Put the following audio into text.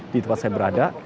di tempat saya berada